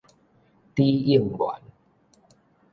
李應元